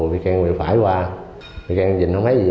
vì cường về phải qua vì cường nhìn không thấy gì